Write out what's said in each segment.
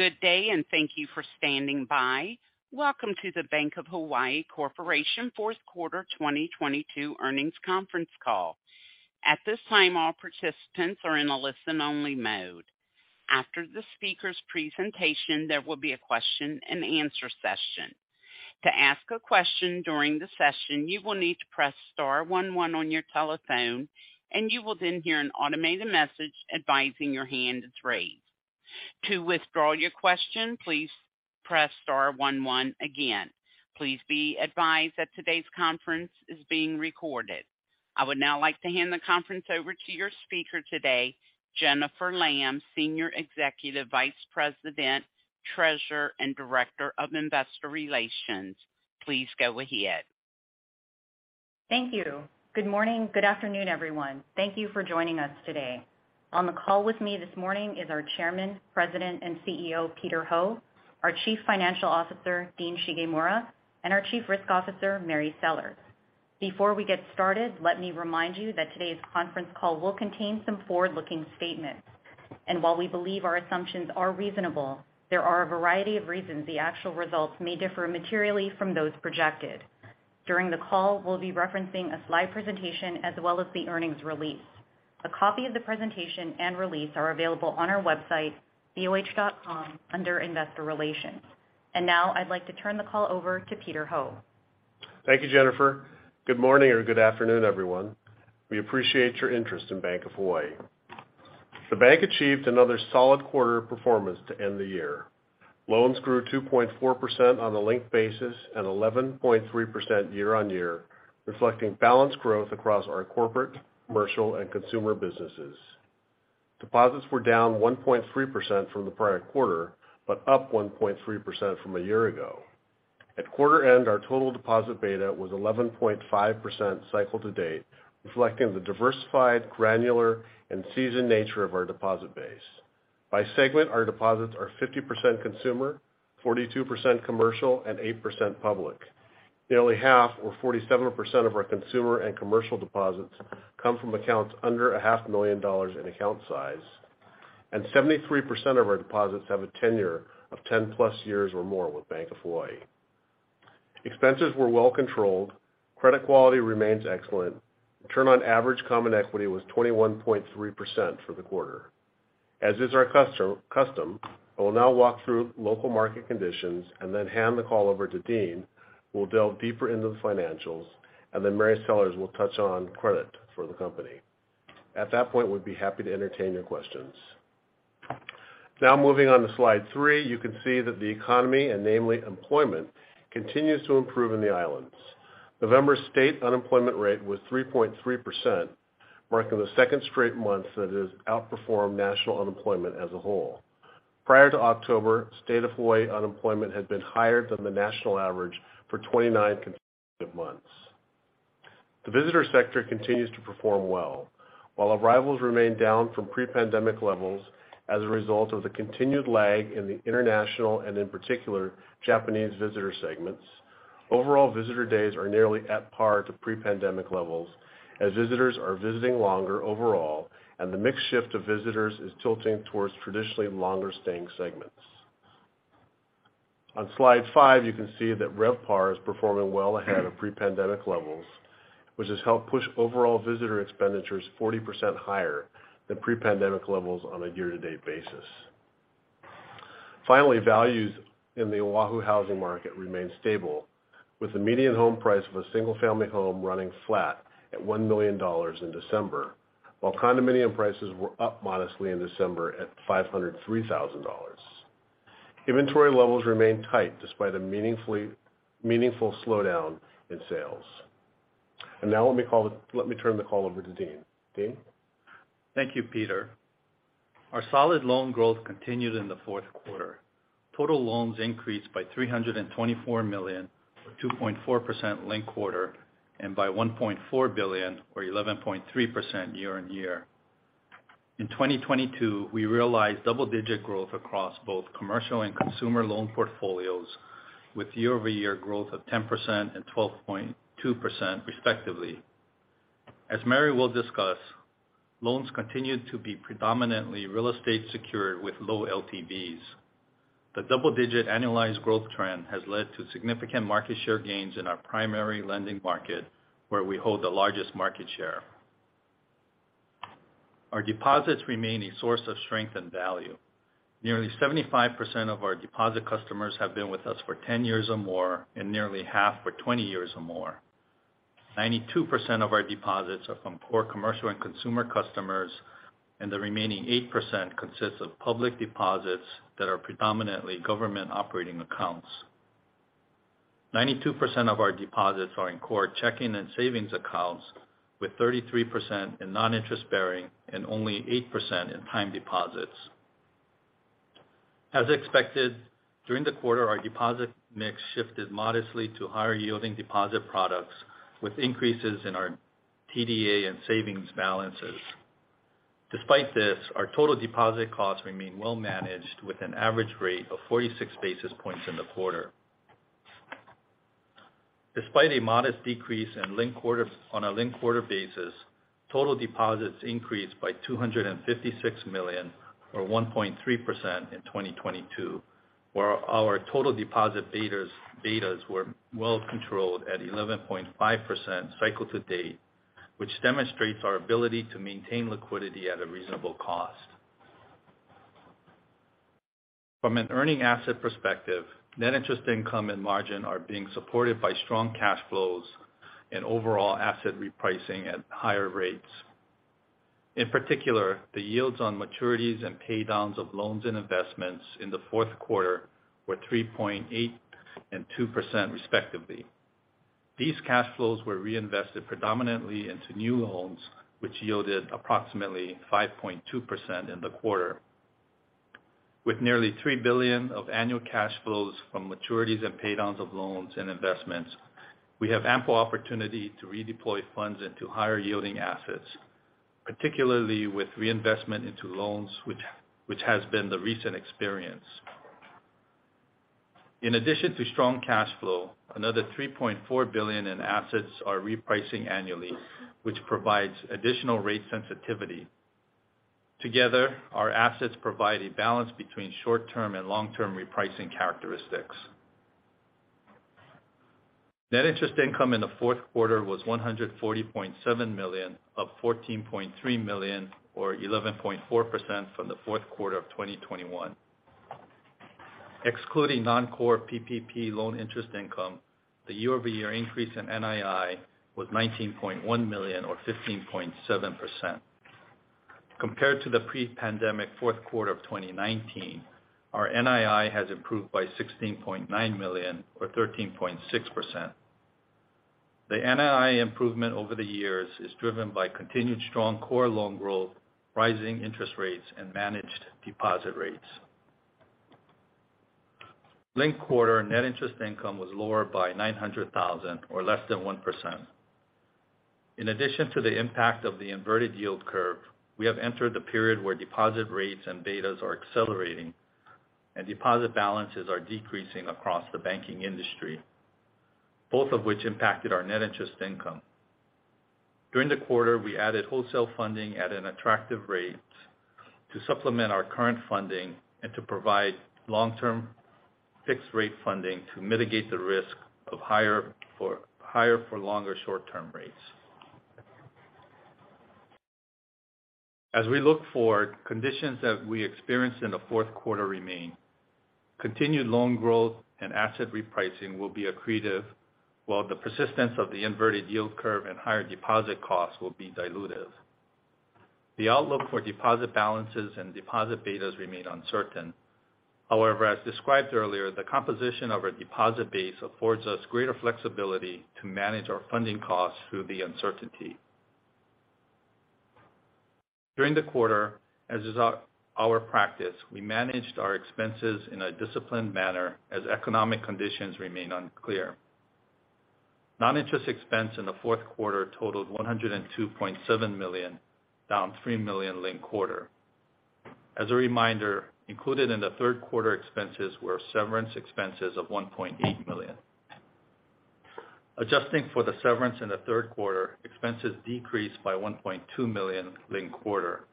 Good day, and thank you for standing by. Welcome to the Bank of Hawaii Corporation Fourth Quarter 2022 Earnings Conference Call. At this time, all participants are in a listen-only mode. After the speaker's presentation, there will be a question-and-answer session. To ask a question during the session, you will need to press star one one on your telephone, and you will then hear an automated message advising your hand is raised. To withdraw your question, please press star one one again. Please be advised that today's conference is being recorded. I would now like to hand the conference over to your speaker today, Jennifer Lam, Senior Executive Vice President, Treasurer, and Director of Investor Relations. Please go ahead. Thank you. Good morning. Good afternoon everyone. Thank you for joining us today. On the call with me this morning is our Chairman, President, and CEO, Peter Ho, our Chief Financial Officer, Dean Shigemura, and our Chief Risk Officer, Mary Sellers. Before we get started, let me remind you that today's conference call will contain some forward-looking statements. While we believe our assumptions are reasonable, there are a variety of reasons the actual results may differ materially from those projected. During the call, we'll be referencing a slide presentation as well as the earnings release. A copy of the presentation and release are available on our website, boh.com, under Investor Relations. Now I'd like to turn the call over to Peter Ho. Thank you Jennifer. Good morning or good afternoon everyone. We appreciate your interest in Bank of Hawaii. The bank achieved another solid quarter of performance to end the year. Loans grew 2.4% on a linked basis and 11.3% year-on-year, reflecting balanced growth across our corporate, commercial, and consumer businesses. Deposits were down 1.3% from the prior quarter, but up 1.3% from a year ago. At quarter end, our total deposit beta was 11.5% cycle to date, reflecting the diversified, granular, and seasoned nature of our deposit base. By segment, our deposits are 50% consumer, 42% commercial, and 8% public. Nearly half, or 47% of our consumer and commercial deposits come from accounts under a $500, 000 in account size, and 73% of our deposits have a tenure of 10+ years or more with Bank of Hawaii. Expenses were well controlled. Credit quality remains excellent. Return on average common equity was 21.3% for the quarter. As is our custom, I will now walk through local market conditions and then hand the call over to Dean, who will delve deeper into the financials, and then Mary Sellers will touch on credit for the company. At that point, we'd be happy to entertain your questions. Moving on to slide three, you can see that the economy, and namely employment, continues to improve in the islands. November state unemployment rate was 3.3%, marking the second straight month that it has outperformed national unemployment as a whole. Prior to October, state of Hawaii unemployment had been higher than the national average for 29 consecutive months. The visitor sector continues to perform well. While arrivals remain down from pre-pandemic levels as a result of the continued lag in the international and, in particular, Japanese visitor segments, overall visitor days are nearly at par to pre-pandemic levels as visitors are visiting longer overall, and the mix shift of visitors is tilting towards traditionally longer staying segments. On slide five, you can see that RevPAR is performing well ahead of pre-pandemic levels, which has helped push overall visitor expenditures 40% higher than pre-pandemic levels on a year-to-date basis. Finally, values in the Oahu housing market remain stable, with the median home price of a single-family home running flat at $1 million in December, while condominium prices were up modestly in December at $503,000. Inventory levels remain tight despite a meaningful slowdown in sales. Now let me turn the call over to Dean. Dean? Thank youPeter. Our solid loan growth continued in the fourth quarter. Total loans increased by $324 million, or 2.4% linked quarter, and by $1.4 billion or 11.3% year-on-year. In 2022, we realized double-digit growth across both commercial and consumer loan portfolios with year-over-year growth of 10% and 12.2% respectively. As Mary will discuss, loans continued to be predominantly real estate secured with low LTVs. The double-digit annualized growth trend has led to significant market share gains in our primary lending market, where we hold the largest market share. Our deposits remain a source of strength and value. Nearly 75% of our deposit customers have been with us for 10 years or more and nearly half for 20 years or more. 92% of our deposits are from core commercial and consumer customers, and the remaining 8% consists of public deposits that are predominantly government operating accounts. 92% of our deposits are in core checking and savings accounts, with 33% in non-interest bearing and only 8% in time deposits. As expected, during the quarter, our deposit mix shifted modestly to higher yielding deposit products with increases in our TDA and savings balances. Despite this, our total deposit costs remain well managed with an average rate of 46 basis points in the quarter. Despite a modest decrease on a linked-quarter basis, total deposits increased by $256 million, or 1.3% in 2022, where our total deposit betas were well controlled at 11.5% cycle to date, which demonstrates our ability to maintain liquidity at a reasonable cost. From an earning asset perspective, net interest income and margin are being supported by strong cash flows and overall asset repricing at higher rates. In particular, the yields on maturities and pay downs of loans and investments in the fourth quarter were 3.8% and 2% respectively. These cash flows were reinvested predominantly into new loans, which yielded approximately 5.2% in the quarter. With nearly $3 billion of annual cash flows from maturities and pay downs of loans and investments, we have ample opportunity to redeploy funds into higher yielding assets, particularly with reinvestment into loans, which has been the recent experience. In addition to strong cash flow, another $3.4 billion in assets are repricing annually, which provides additional rate sensitivity. Together, our assets provide a balance between short-term and long-term repricing characteristics. Net interest income in the fourth quarter was $140.7 million, up $14.3 million, or 11.4% from the fourth quarter of 2021. Excluding non-core PPP loan interest income, the year-over-year increase in NII was $19.1 million or 15.7%. Compared to the pre-pandemic fourth quarter of 2019, our NII has improved by $16.9 million or 13.6%. The NII improvement over the years is driven by continued strong core loan growth, rising interest rates, and managed deposit rates. Linked quarter net interest income was lower by $900,000 or less than 1%. In addition to the impact of the inverted yield curve, we have entered a period where deposit rates and deposit betas are accelerating and deposit balances are decreasing across the banking industry, both of which impacted our net interest income. During the quarter, we added wholesale funding at an attractive rate to supplement our current funding and to provide long-term fixed rate funding to mitigate the risk of higher for longer short-term rates. As we look forward, conditions that we experienced in the fourth quarter remain. Continued loan growth and asset repricing will be accretive, while the persistence of the inverted yield curve and higher deposit costs will be dilutive. The outlook for deposit balances and deposit betas remain uncertain. However, as described earlier, the composition of our deposit base affords us greater flexibility to manage our funding costs through the uncertainty. During the quarter, as is our practice, we managed our expenses in a disciplined manner as economic conditions remain unclear. Non-interest expense in the fourth quarter totaled $102.7 million, down $3 million linked quarter. As a reminder, included in the third quarter expenses were severance expenses of $1.8 million. Adjusting for the severance in the third quarter, expenses decreased by $1.2 million linked quarter.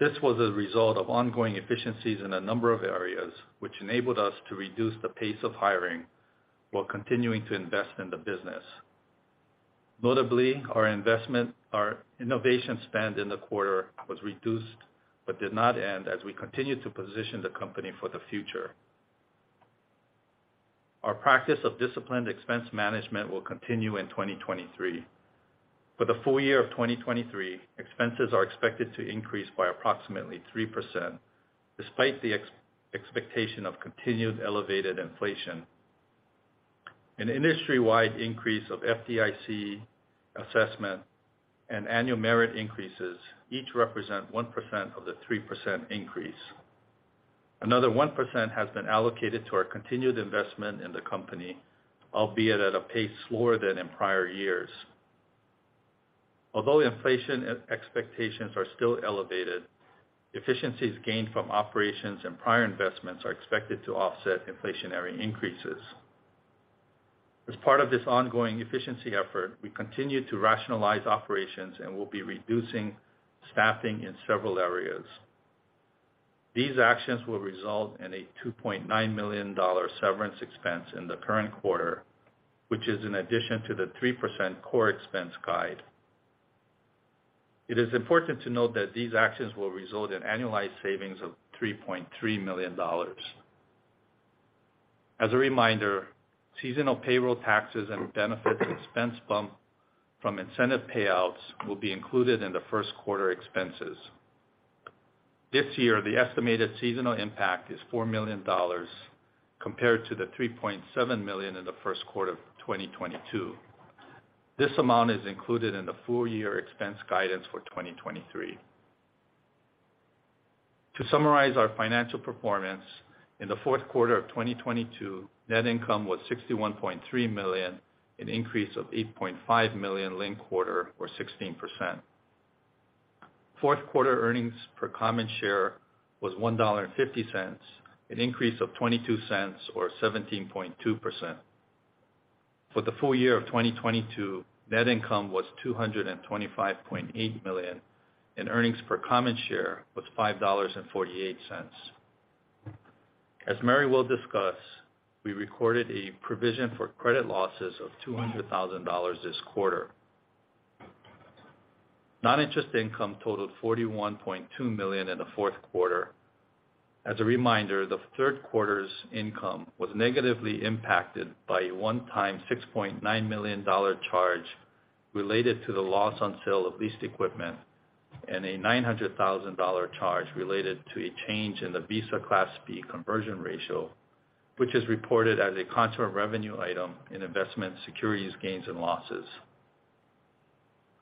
This was a result of ongoing efficiencies in a number of areas, which enabled us to reduce the pace of hiring while continuing to invest in the business. Notably, our innovation spend in the quarter was reduced but did not end as we continued to position the company for the future. Our practice of disciplined expense management will continue in 2023. For the full year of 2023, expenses are expected to increase by approximately 3% despite the expectation of continued elevated inflation. An industry-wide increase of FDIC assessment and annual merit increases each represent 1% of the 3% increase. Another 1% has been allocated to our continued investment in the company, albeit at a pace slower than in prior years. Inflation expectations are still elevated, efficiencies gained from operations and prior investments are expected to offset inflationary increases. As part of this ongoing efficiency effort, we continue to rationalize operations and will be reducing staffing in several areas. These actions will result in a $2.9 million severance expense in the current quarter, which is in addition to the 3% core expense guide. It is important to note that these actions will result in annualized savings of $3.3 million. As a reminder, seasonal payroll taxes and benefits expense bump from incentive payouts will be included in the first quarter expenses. This year, the estimated seasonal impact is $4 million compared to the $3.7 million in the first quarter of 2022. This amount is included in the full year expense guidance for 2023. To summarize our financial performance, in the fourth quarter of 2022, net income was $61.3 million, an increase of $8.5 million linked quarter or 16%. Fourth quarter earnings per common share was $1.50, an increase of $0.22 or 17.2%. For the full year of 2022, net income was $225.8 million and earnings per common share was $5.48. As Mary will discuss, we recorded a provision for credit losses of $200,000 this quarter. Non-interest income totaled $41.2 million in the fourth quarter. As a reminder, the third quarter's income was negatively impacted by a one-time $6.9 million charge related to the loss on sale of leased equipment and a $900,000 charge related to a change in the Visa Class B conversion ratio, which is reported as a contra revenue item in investment securities gains and losses.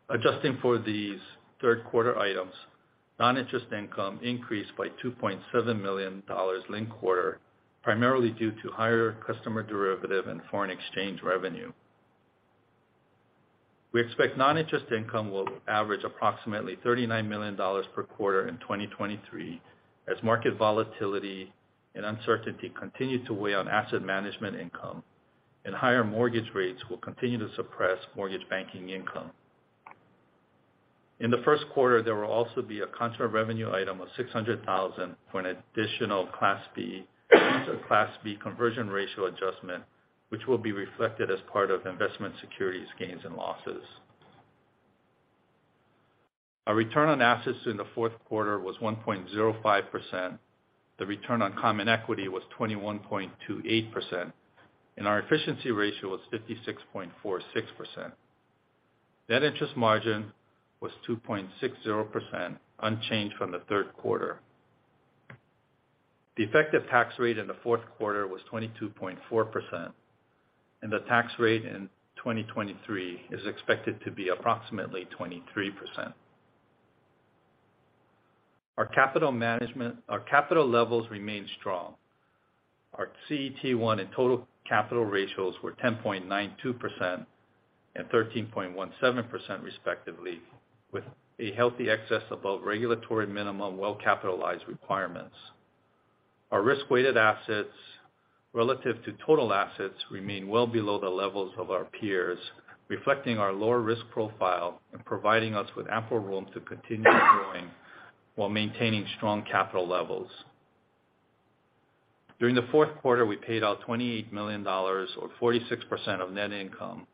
Adjusting for these third quarter items, non-interest income increased by $2.7 million linked quarter, primarily due to higher customer derivative and foreign exchange revenue. We expect non-interest income will average approximately $39 million per quarter in 2023 as market volatility and uncertainty continue to weigh on asset management income and higher mortgage rates will continue to suppress mortgage banking income. In the first quarter, there will also be a contra revenue item of $600,000 for an additional Class B conversion ratio adjustment, which will be reflected as part of investment securities gains and losses. Our return on assets in the fourth quarter was 1.05%. The return on common equity was 21.28%. Our efficiency ratio was 56.46%. Net interest margin was 2.60%, unchanged from the third quarter. The effective tax rate in the fourth quarter was 22.4%. The tax rate in 2023 is expected to be approximately 23%. Our capital levels remain strong. Our CET1 and total capital ratios were 10.92% and 13.17% respectively, with a healthy excess above regulatory minimum well-capitalized requirements. Our risk-weighted assets relative to total assets remain well below the levels of our peers, reflecting our lower risk profile and providing us with ample room to continue growing while maintaining strong capital levels. During the fourth quarter, we paid out $28 million or 46% of net income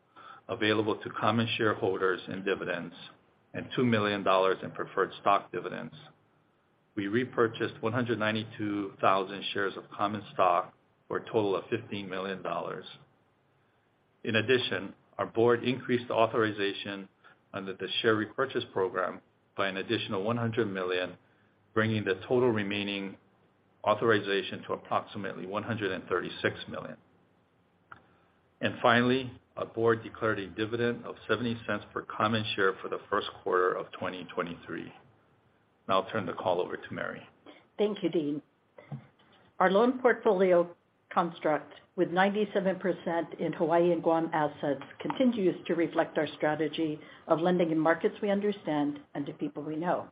available to common shareholders in dividends and $2 million in preferred stock dividends. We repurchased 192,000 shares of common stock for a total of $15 million. Our board increased the authorization under the share repurchase program by an additional $100 million, bringing the total remaining authorization to approximately $136 million. Finally, our board declared a dividend of $0.70 per common share for the first quarter of 2023. Now I'll turn the call over to Mary. Thank you Dean. Our loan portfolio construct with 97% in Hawaii and Guam assets continues to reflect our strategy of lending in markets we understand and to people we know.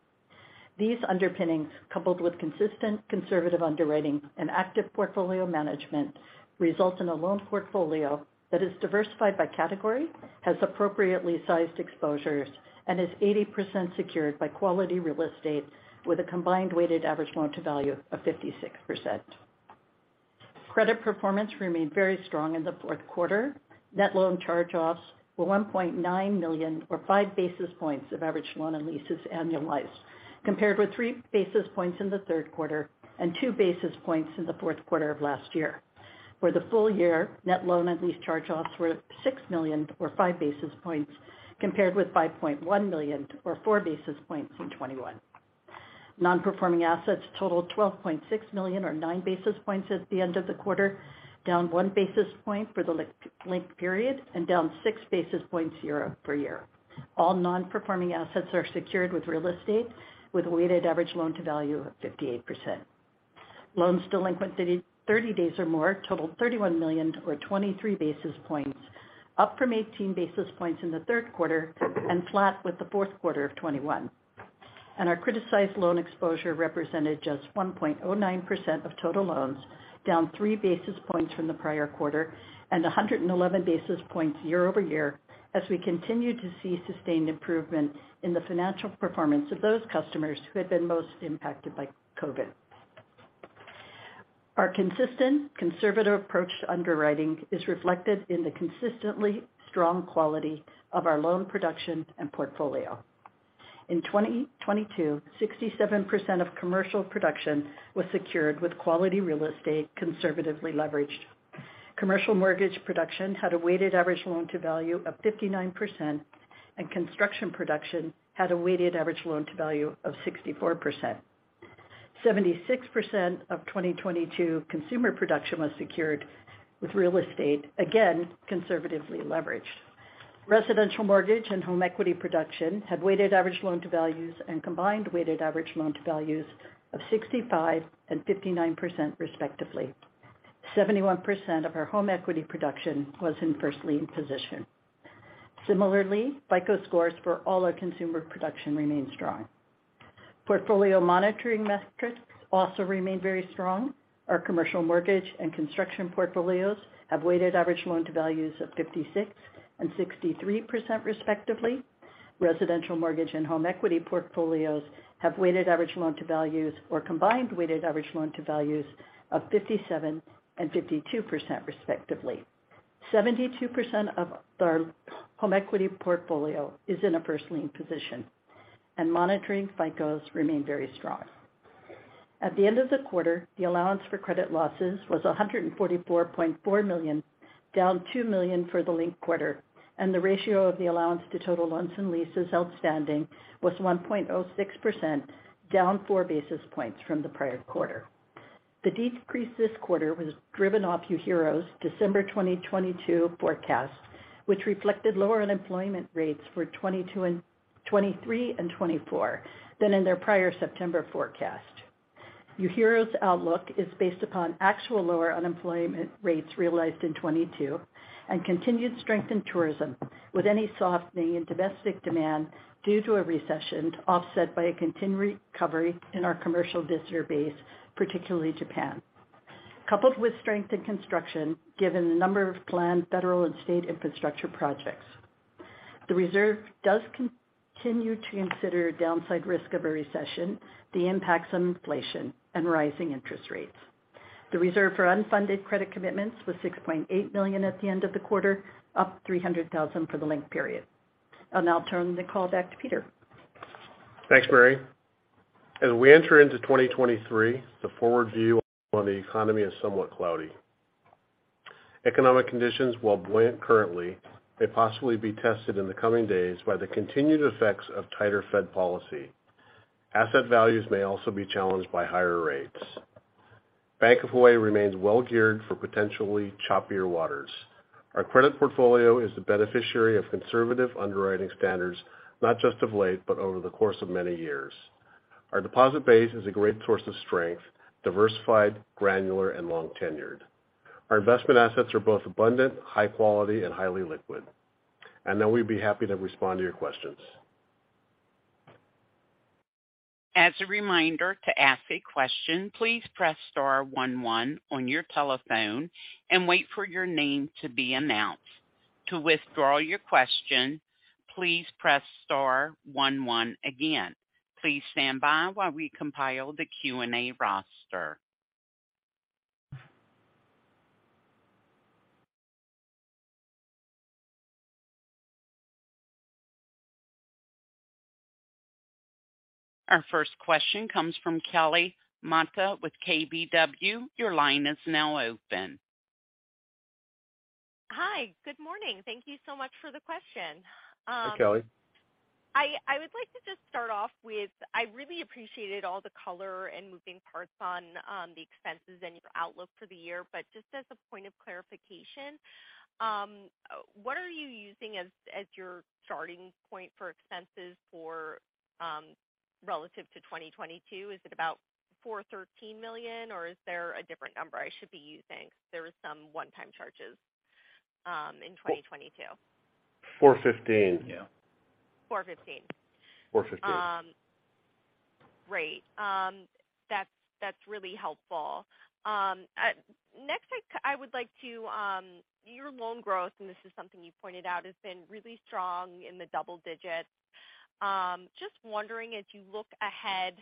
These underpinnings, coupled with consistent conservative underwriting and active portfolio management, result in a loan portfolio that is diversified by category, has appropriately sized exposures, and is 80% secured by quality real estate with a combined weighted average loan to value of 56%. Credit performance remained very strong in the fourth quarter. Net loan charge-offs were $1.9 million or 5 basis points of average loan and leases annualized, compared with 3 basis points in the third quarter and 2 basis points in the fourth quarter of last year. For the full year, net loan and lease charge-offs were $6 million or 5 basis points, compared with $5.1 million or 4 basis points in 2021. Non-performing assets totaled $12.6 million or 9 basis points at the end of the quarter, down 1 basis point for the linked period and down 6 basis points year-over-year. All non-performing assets are secured with real estate, with a weighted average loan to value of 58%. Loans delinquent 30 days or more totaled $31 million or 23 basis points, up from 18 basis points in the third quarter and flat with the fourth quarter of 2021. Our criticized loan exposure represented just 1.09% of total loans, down 3 basis points from the prior quarter and 111 basis points year-over-year as we continue to see sustained improvement in the financial performance of those customers who had been most impacted by COVID. Our consistent conservative approach to underwriting is reflected in the consistently strong quality of our loan production and portfolio. In 2022, 67% of commercial production was secured with quality real estate conservatively leveraged. Commercial mortgage production had a weighted average loan to value of 59%, and construction production had a weighted average loan to value of 64%. 76% of 2022 consumer production was secured with real estate, again conservatively leveraged. Residential mortgage and home equity production had weighted average loan to values and combined weighted average loan to values of 65% and 59% respectively. 71% of our home equity production was in first lien position. Similarly, FICO scores for all our consumer production remains strong. Portfolio monitoring metrics also remain very strong. Our commercial mortgage and construction portfolios have weighted average loan to values of 56% and 63% respectively. Residential mortgage and home equity portfolios have weighted average loan to values or combined weighted average loan to values of 57% and 52% respectively. 72% of our home equity portfolio is in a first lien position and monitoring FICO scores remain very strong. At the end of the quarter, the allowance for credit losses was $144.4 million, down $2 million for the linked quarter, and the ratio of the allowance to total loans and leases outstanding was 1.06%, down 4 basis points from the prior quarter. The decrease this quarter was driven off UHERO's December 2022 forecast, which reflected lower unemployment rates for 2022 and 2023 and 2024 than in their prior September forecast. UHERO's outlook is based upon actual lower unemployment rates realized in 2022 and continued strength in tourism with any softening in domestic demand due to a recession offset by a continued recovery in our commercial visitor base, particularly Japan. Coupled with strength in construction, given the number of planned federal and state infrastructure projects. The reserve does continue to consider downside risk of a recession, the impacts on inflation and rising interest rates. The reserve for unfunded credit commitments was $6.8 million at the end of the quarter, up $300,000 for the linked period. I'll now turn the call back to Peter. Thanks Mary. As we enter into 2023, the forward view on the economy is somewhat cloudy. Economic conditions, while buoyant currently, may possibly be tested in the coming days by the continued effects of tighter Fed policy. Asset values may also be challenged by higher rates. Bank of Hawaii remains well geared for potentially choppier waters. Our credit portfolio is the beneficiary of conservative underwriting standards, not just of late, but over the course of many years. Our deposit base is a great source of strength, diversified, granular and long tenured. Our investment assets are both abundant, high quality and highly liquid. Now we'd be happy to respond to your questions. As a reminder to ask a question, please press star one one on your telephone and wait for your name to be announced. To withdraw your question, please press star one one again. Please stand by while we compile the Q&A roster. Our first question comes from Kelly Motta with KBW. Your line is now open. Hi. Good morning. Thank you so much for the question. Hi, Kelly. I would like to just start off with, I really appreciated all the color and moving parts on the expenses and your outlook for the year. Just as a point of clarification, what are you using as your starting point for expenses for relative to 2022? Is it about $413 million or is there a different number I should be using? There was some one-time charges in 2022. 415. Yeah. 415. 415. Great. That's really helpful. Next I would like to your loan growth, and this is something you've pointed out, has been really strong in the double digits. Just wondering as you look ahead,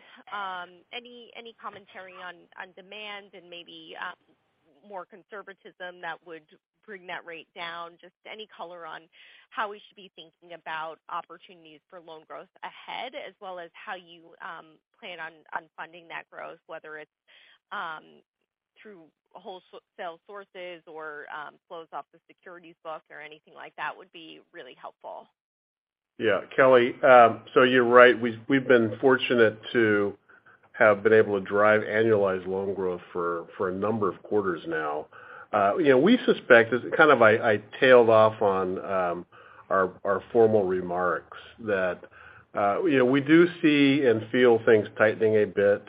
any commentary on demand and maybe more conservatism that would bring that rate down, just any color on how we should be thinking about opportunities for loan growth ahead as well as how you plan on funding that growth, whether it's through wholesale sources or flows off the securities book or anything like that would be really helpful. Yeah. Kelly, you're right. We've been fortunate to have been able to drive annualized loan growth for a number of quarters now. you know, we suspect as kind of I tailed off on our formal remarks that, you know, we do see and feel things tightening a bit.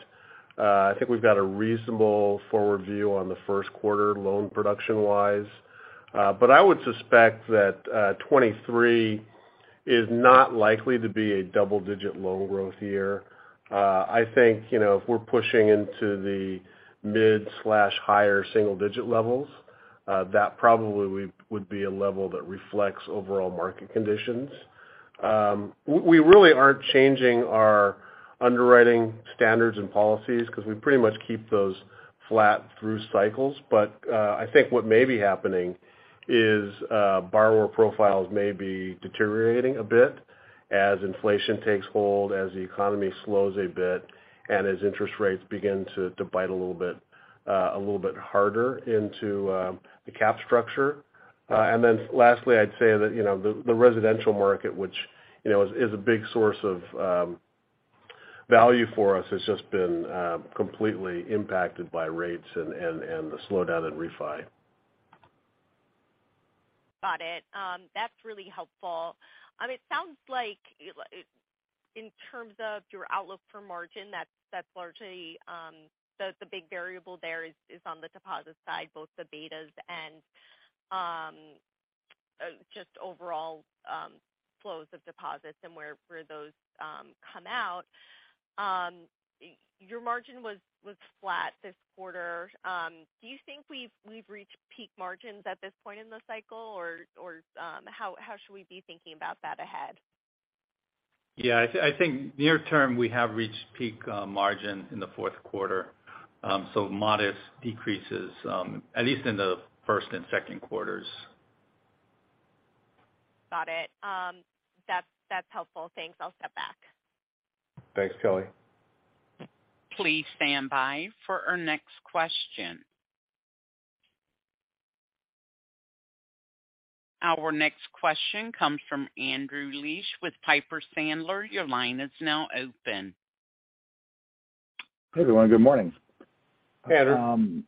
I think we've got a reasonable forward view on the first quarter loan production-wise. I would suspect that 2023 is not likely to be a double-digit loan growth year. I think, you know, if we're pushing into the mid/higher single digit levels, that probably would be a level that reflects overall market conditions. We really aren't changing our underwriting standards and policies because we pretty much keep those flat through cycles. I think what may be happening is, borrower profiles may be deteriorating a bit as inflation takes hold, as the economy slows a bit, and as interest rates begin to bite a little bit, a little bit harder into the cap structure. Lastly, I'd say that, you know, the residential market, which you know, is a big source of value for us, has just been completely impacted by rates and the slowdown in refi. Got it. That's really helpful. I mean, it sounds like in terms of your outlook for margin, that's largely the big variable there is on the deposit side, both the betas and just overall flows of deposits and where those come out. Your margin was flat this quarter. Do you think we've reached peak margins at this point in the cycle? Or how should we be thinking about that ahead? Yeah, I think near term, we have reached peak margin in the fourth quarter. Modest decreases, at least in the first and second quarters. Got it. That's helpful. Thanks. I'll step back. Thanks Kelly. Please stand by for our next question. Our next question comes from Andrew Liesch with Piper Sandler. Your line is now open. Hey, everyone. Good morning. Hey, Andrew.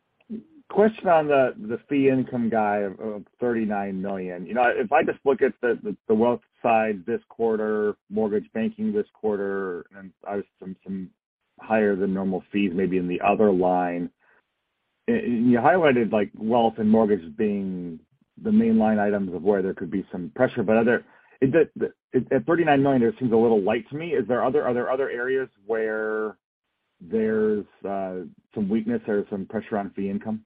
Question on the fee income guide of $39 million. You know, if I just look at the wealth side this quarter, mortgage banking this quarter, and obviously some higher than normal fees maybe in the other line. You highlighted like wealth and mortgage being the main line items of where there could be some pressure. Is it at $39 million, it seems a little light to me. Are there other areas where there's some weakness or some pressure on fee income?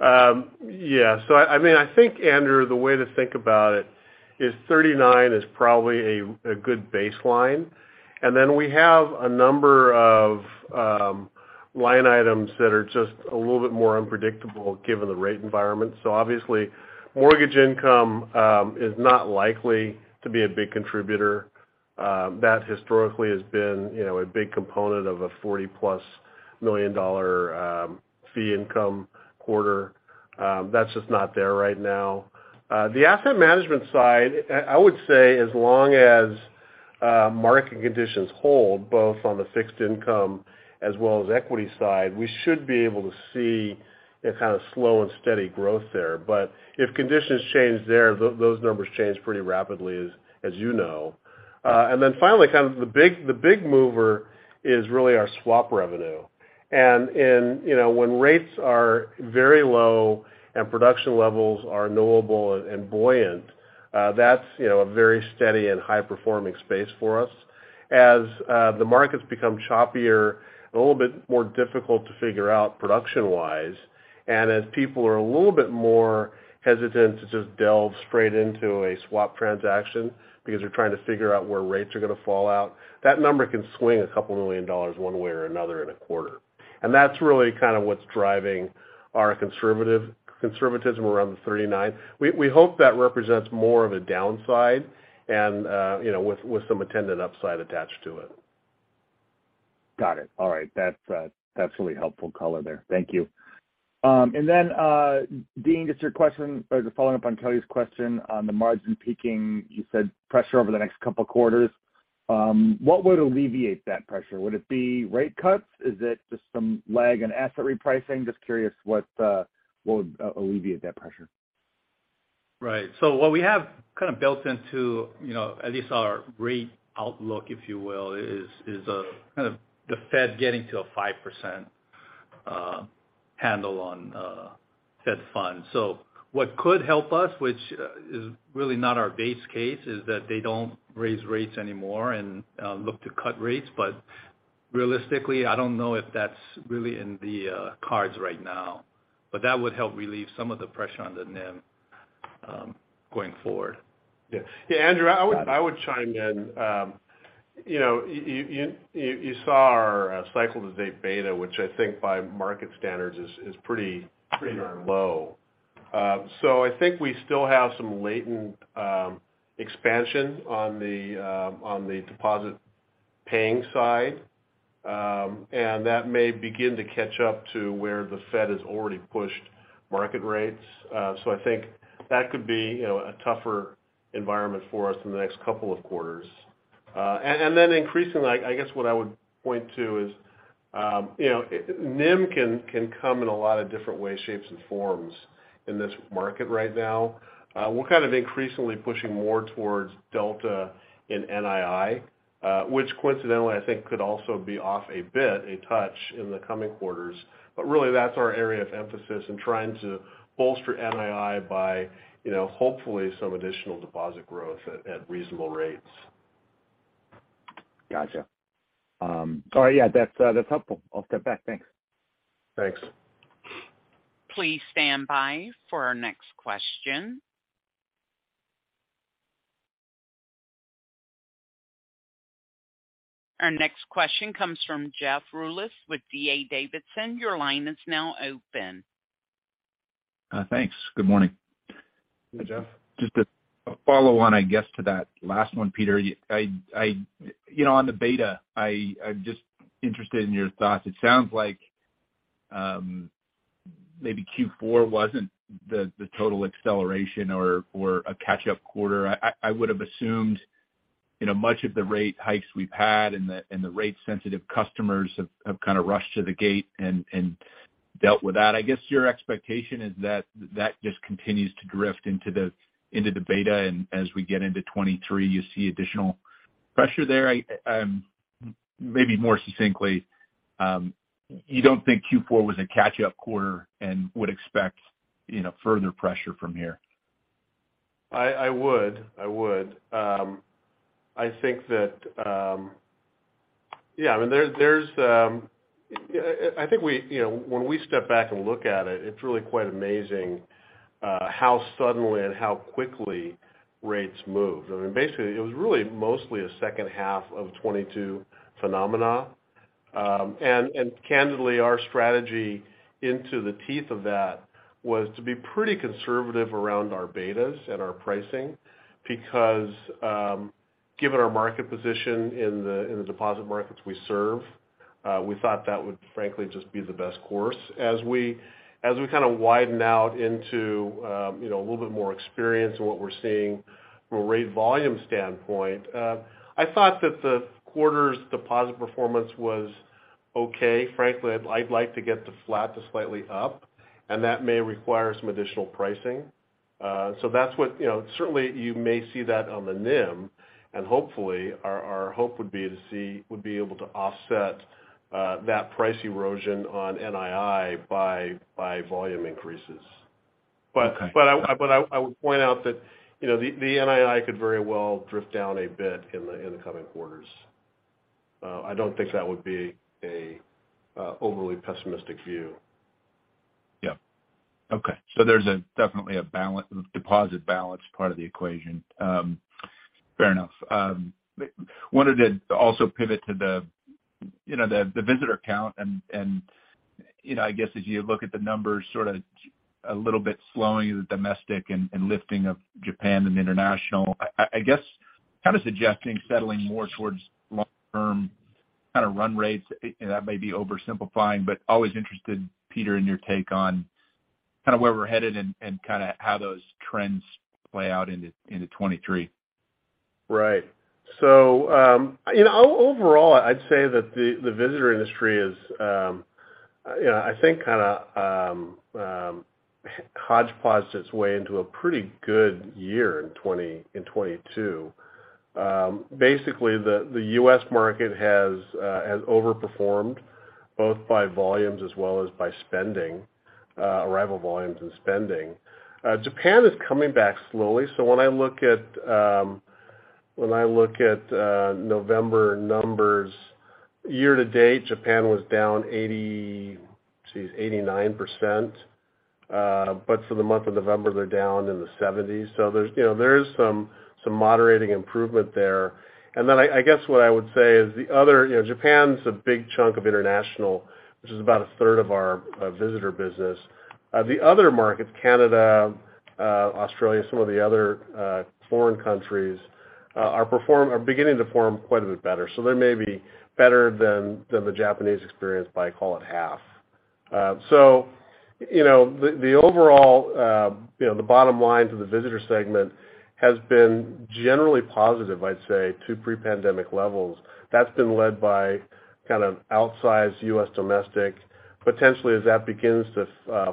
Yeah. I mean, I think, Andrew, the way to think about it is 39 is probably a good baseline. Then we have a number of line items that are just a little bit more unpredictable given the rate environment. Obviously mortgage income is not likely to be a big contributor. That historically has been, you know, a big component of a $40+ million fee income quarter. That's just not there right now. The asset management side, I would say as long as market conditions hold, both on the fixed income as well as equity side, we should be able to see a kind of slow and steady growth there. If conditions change there, those numbers change pretty rapidly, as you know. Then finally, kind of the big, the big mover is really our swap revenue. In, you know, when rates are very low and production levels are knowable and buoyant, that's, you know, a very steady and high performing space for us. As the markets become choppier and a little bit more difficult to figure out production-wise, and as people are a little bit more hesitant to just delve straight into a swap transaction because they're trying to figure out where rates are gonna fall out, that number can swing $2 million one way or another in a quarter. That's really kind of what's driving our conservatism around the $39. We hope that represents more of a downside and, you know, with some attendant upside attached to it. Got it. All right. That's really helpful color there. Thank you. Then, Dean, just a question or just following up on Kelly's question on the margin peaking. You said pressure over the next couple quarters. What would alleviate that pressure? Would it be rate cuts? Is it just some lag in asset repricing? Just curious what will alleviate that pressure. What we have kind of built into, you know, at least our rate outlook, if you will, is kind of the Fed getting to a 5% handle on Fed funds. What could help us, which is really not our base case, is that they don't raise rates anymore and look to cut rates. Realistically, I don't know if that's really in the cards right now. That would help relieve some of the pressure on the NIM going forward. Yeah, Andrew, I. Got it. I would chime in. You know, you saw our cycle to date beta, which I think by market standards is pretty darn low. I think we still have some latent expansion on the deposit paying side. That may begin to catch up to where the Fed has already pushed market rates. I think that could be, you know, a tougher environment for us in the next couple of quarters. Increasingly, I guess what I would point to is, you know, NIM can come in a lot of different ways, shapes, and forms in this market right now. We're kind of increasingly pushing more towards delta in NII, which coincidentally I think could also be off a bit, a touch in the coming quarters. Really that's our area of emphasis in trying to bolster NII by, you know, hopefully some additional deposit growth at reasonable rates. Gotcha. All right. Yeah, that's helpful. I'll step back. Thanks. Thanks. Please stand by for our next question. Our next question comes from Jeff Rulis with D.A. Davidson. Your line is now open. Thanks. Good morning. Hey, Jeff. Just a follow on, I guess, to that last one, Peter. You know, on the beta, I'm just interested in your thoughts. It sounds like maybe Q4 wasn't the total acceleration or a catch-up quarter. I would have assumed. You know, much of the rate hikes we've had and the rate sensitive customers have kind of rushed to the gate and dealt with that. I guess your expectation is that that just continues to drift into the beta. As we get into 2023, you see additional pressure there? I, maybe more succinctly, you don't think Q4 was a catch up quarter and would expect, you know, further pressure from here. I would. I think that, yeah, I mean, there's. I think we, you know, when we step back and look at it's really quite amazing, how suddenly and how quickly rates moved. I mean, basically it was really mostly a H2 of 2022 phenomena. Candidly, our strategy into the teeth of that was to be pretty conservative around our betas and our pricing because, given our market position in the deposit markets we serve, we thought that would frankly just be the best course. As we kind of widen out into, you know, a little bit more experience in what we're seeing from a rate volume standpoint, I thought that the quarter's deposit performance was okay. Frankly, I'd like to get to flat to slightly up, and that may require some additional pricing. That's what, you know, certainly you may see that on the NIM and hopefully our hope would be to be able to offset that price erosion on NII by volume increases. Okay. I would point out that, you know, the NII could very well drift down a bit in the coming quarters. I don't think that would be a overly pessimistic view. Yeah. Okay. There's a definitely a deposit balance part of the equation. Fair enough. Wanted to also pivot to the, you know, the visitor count and, you know, I guess as you look at the numbers sort of a little bit slowing the domestic and lifting of Japan and international. I guess kind of suggesting settling more towards long term kind of run rates, and that may be oversimplifying, but always interested, Peter, in your take on kind of where we're headed and kind of how those trends play out into 2023. Right. you know, overall, I'd say that the visitor industry is, you know, I think kind of hodgepodge its way into a pretty good year in 2022. Basically, the US market has overperformed both by volumes as well as by spending, arrival volumes and spending. Japan is coming back slowly. When I look at November numbers, year to date, Japan was down 89%. For the month of November they're down in the 70s. There's, you know, there is some moderating improvement there. I guess what I would say is the other, you know, Japan's a big chunk of international, which is about a third of our visitor business. The other markets, Canada, Australia, some of the other foreign countries, are beginning to perform quite a bit better. They may be better than the Japanese experience by call it half. You know, the overall, you know, the bottom line to the visitor segment has been generally positive, I'd say, to pre-pandemic levels. That's been led by kind of outsized U.S. domestic. Potentially as that begins to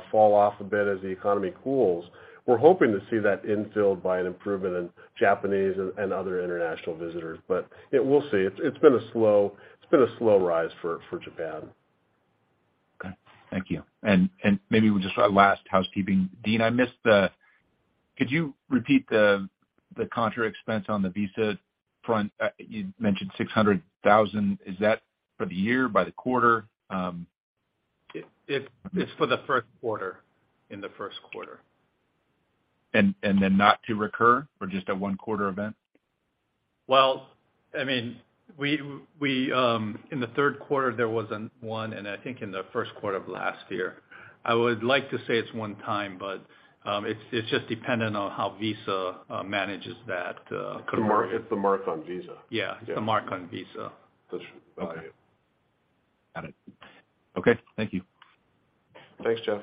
fall off a bit as the economy cools, we're hoping to see that infilled by an improvement in Japanese and other international visitors. We'll see. It's been a slow rise for Japan. Okay. Thank you. Maybe just our last housekeeping. Dean, I missed. Could you repeat the contra expense on the Visa front? You mentioned $600,000. Is that for the year, by the quarter? It's for the first quarter. In the first quarter. Not to recur or just a one quarter event? Well, I mean, we in the third quarter there wasn't one and I think in the first quarter of last year. I would like to say it's one time, but it's just dependent on how Visa manages that. The mark. It's the mark on Visa. Yeah, it's the mark on Visa. That's right. Got it. Okay. Thank you. Thanks, Jeff.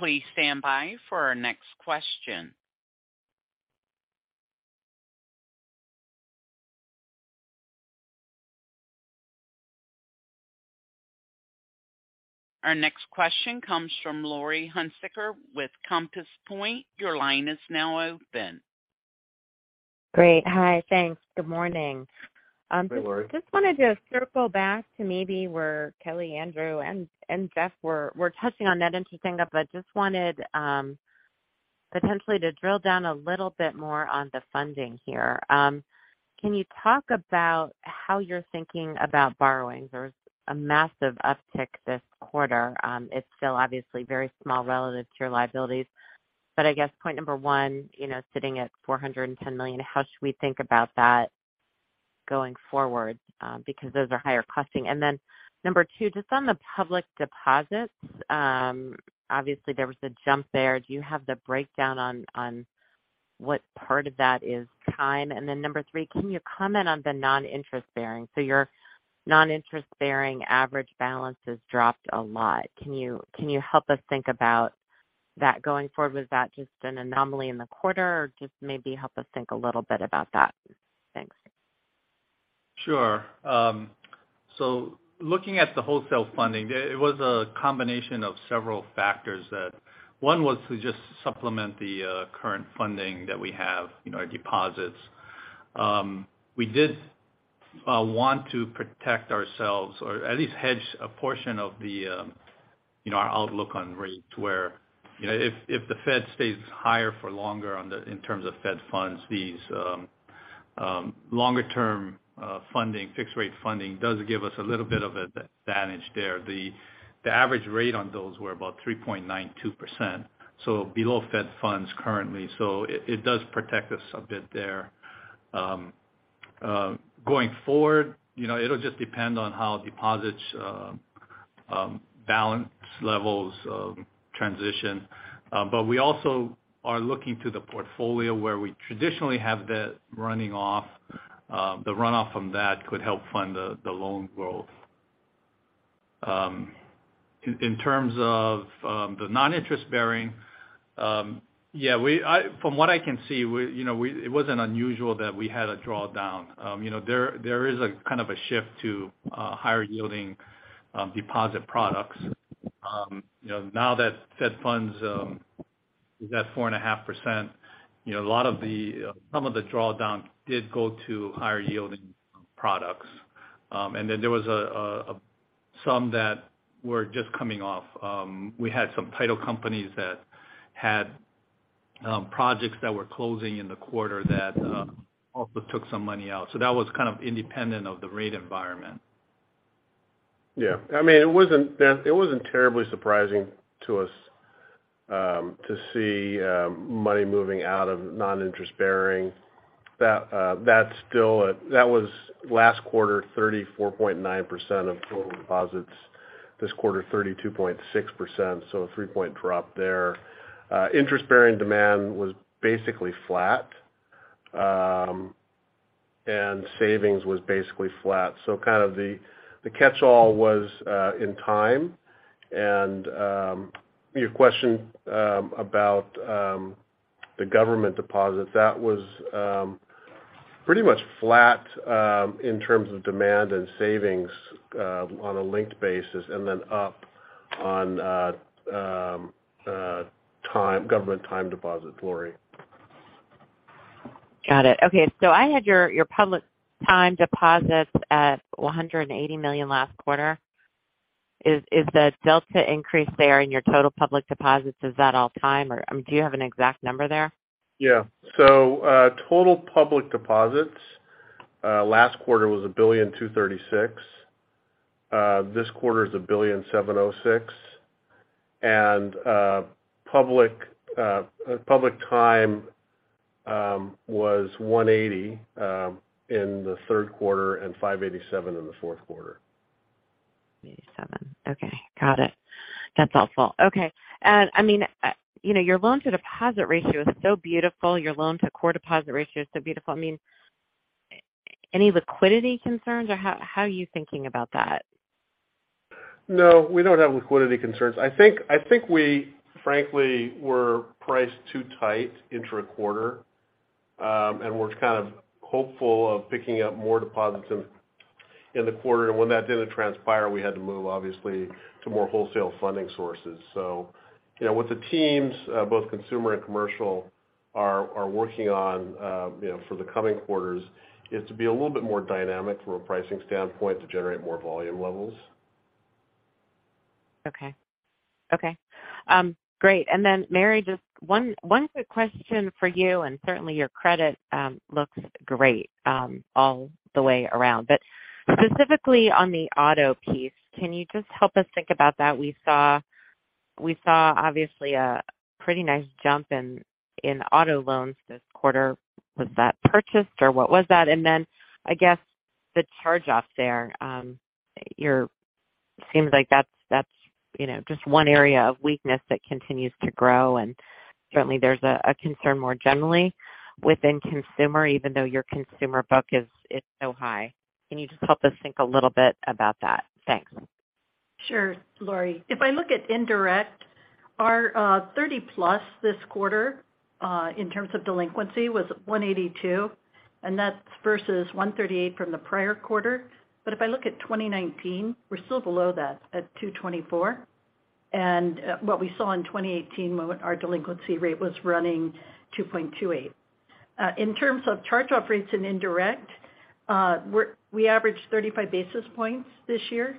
Please stand by for our next question. Our next question comes from Laurie Hunsicker with Compass Point. Your line is now open. Great. Hi. Thanks. Good morning. Hey, Laurie. Just wanted to circle back to maybe where Kelly Motta, Andrew Liesch and Jeff Rulis were touching on that interesting note, but just wanted potentially to drill down a little bit more on the funding here. Can you talk about how you're thinking about borrowings? There was a massive uptick this quarter. It's still obviously very small relative to your liabilities, but I guess point number one, you know, sitting at $410 million, how should we think about that going forward? Because those are higher costing. Number two, just on the public deposits, obviously there was a jump there. Do you have the breakdown on what part of that is time? Number three, can you comment on the non-interest bearing? Your non-interest bearing average balance has dropped a lot. Can you help us think about that going forward, was that just an anomaly in the quarter or just maybe help us think a little bit about that? Thanks. Sure. Looking at the wholesale funding, it was a combination of several factors. That one was to just supplement the current funding that we have, you know, our deposits. We did want to protect ourselves or at least hedge a portion of the, you know, our outlook on rates where, you know, if the Fed stays higher for longer in terms of Federal Funds, these longer term funding, fixed rate funding does give us a little bit of advantage there. The average rate on those were about 3.92%, so below Federal Funds currently. It does protect us a bit there. Going forward, you know, it'll just depend on how deposits balance levels transition. We also are looking to the portfolio where we traditionally have the running off, the runoff from that could help fund the loan growth. In terms of the non-interest bearing, from what I can see, we, you know, we, it wasn't unusual that we had a drawdown. You know, there is a kind of a shift to higher yielding deposit products. You know, now that Federal Funds is at 4.5%, you know, a lot of the, some of the drawdown did go to higher yielding products. And then there was some that were just coming off. We had some title companies that had projects that were closing in the quarter that also took some money out. That was kind of independent of the rate environment. Yeah. I mean, it wasn't terribly surprising to us to see money moving out of non-interest bearing. That was last quarter, 34.9% of total deposits. This quarter, 32.6%. A 3-point drop there. Interest bearing demand was basically flat, and savings was basically flat. Kind of the catch-all was in time. Your question about the government deposit, that was pretty much flat in terms of demand and savings on a linked basis, and then up on time, government time deposit, Laurie. Got it. Okay. I had your public time deposits at $180 million last quarter. Is the delta increase there in your total public deposits, is that all time or do you have an exact number there? Yeah. total public deposits last quarter was $1.236 billion. This quarter is $1.706 billion. public public time was $180 in the third quarter and $587 in the fourth quarter. 587. Okay. Got it. That's helpful. Okay. I mean, you know, your loan to deposit ratio is so beautiful. Your loan to core deposit ratio is so beautiful. I mean, any liquidity concerns or how are you thinking about that? No, we don't have liquidity concerns. I think we frankly were priced too tight intra-quarter, and we're kind of hopeful of picking up more deposits in the quarter. When that didn't transpire, we had to move obviously to more wholesale funding sources. You know, with the teams, both consumer and commercial are working on, you know, for the coming quarters, is to be a little bit more dynamic from a pricing standpoint to generate more volume levels. Okay. Okay. Great. Mary, just one quick question for you, and certainly your credit looks great all the way around. Specifically on the auto piece, can you just help us think about that? We saw obviously a pretty nice jump in auto loans this quarter. Was that purchased or what was that? I guess the charge-off there seems like that's, you know, just one area of weakness that continues to grow. Certainly there's a concern more generally within consumer, even though your consumer book is so high. Can you just help us think a little bit about that? Thanks. Sure, Laurie. If I look at indirect, our 30+ this quarter, in terms of delinquency was 182, and that's versus 138 from the prior quarter. If I look at 2019, we're still below that at 224. What we saw in 2018 when our delinquency rate was running 2.28. In terms of charge-off rates and indirect, we averaged 35 basis points this year,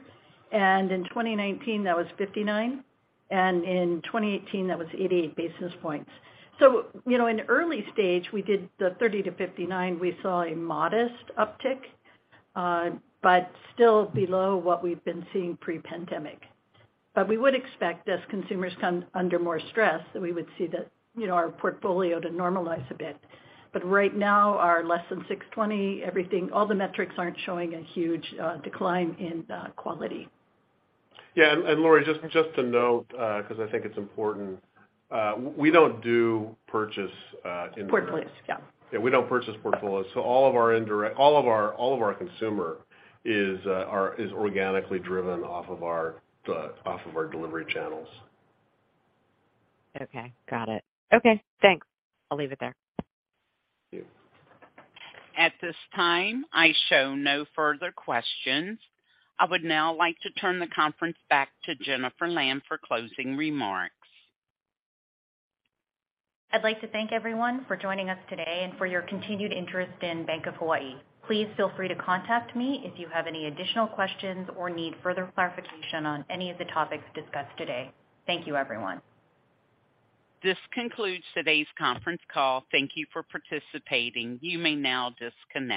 and in 2019 that was 59, and in 2018 that was 88 basis points. You know, in early stage, we did the 30-59, we saw a modest uptick, but still below what we've been seeing pre-pandemic. We would expect as consumers come under more stress, that we would see that, you know, our portfolio to normalize a bit. Right now our less than 620, everything, all the metrics aren't showing a huge decline in quality. Yeah. Laurie, just to note, because I think it's important, we don't do purchase. Portfolios. Yeah. Yeah, we don't purchase portfolios. All of our consumer is organically driven off of our delivery channels. Okay. Got it. Okay, thanks. I'll leave it there. Thank you. At this time, I show no further questions. I would now like to turn the conference back to Jennifer Lam for closing remarks. I'd like to thank everyone for joining us today and for your continued interest in Bank of Hawaii. Please feel free to contact me if you have any additional questions or need further clarification on any of the topics discussed today. Thank you, everyone. This concludes today's conference call. Thank you for participating. You may now disconnect.